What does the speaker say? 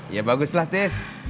ya baguslah tis